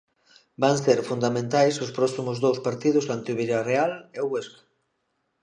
Van ser fundamentais os próximos dous partidos ante o Vilarreal e o Huesca.